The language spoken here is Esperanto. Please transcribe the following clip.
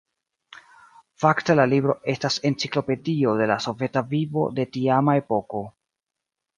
Fakte la libro estas enciklopedio de la soveta vivo de tiama epoko.